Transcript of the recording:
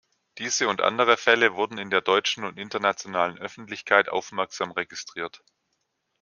Diese und andere Fälle wurden in der deutschen und internationalen Öffentlichkeit aufmerksam registriert.